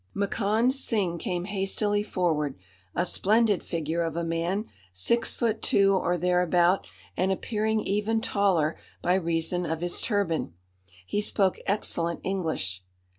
Makand Singh came hastily forward, a splendid figure of a man, six foot two or thereabout, and appearing even taller by reason of his turban. He spoke excellent English.